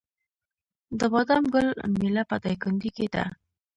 د بادام ګل میله په دایکنډي کې ده.